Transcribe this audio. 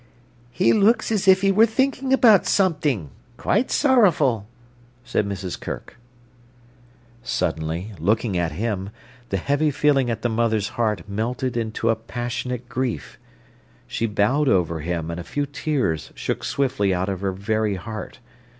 "He looks as if he was thinking about something—quite sorrowful," said Mrs. Kirk. Suddenly, looking at him, the heavy feeling at the mother's heart melted into passionate grief. She bowed over him, and a few tears shook swiftly out of her very heart.